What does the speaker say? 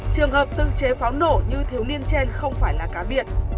trường hợp tự chế pháo nổ như thiếu niên trên không phải là cá biệt